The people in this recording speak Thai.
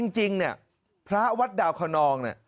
จริงพระวัดดาวคนนอง